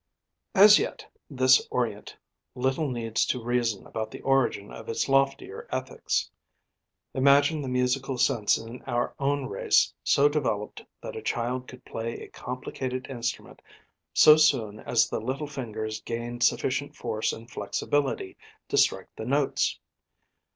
As yet, this Orient little needs to reason about the origin of its loftier ethics. Imagine the musical sense in our own race so developed that a child could play a complicated instrument so soon as the little fingers gained sufficient force and flexibility to strike the notes.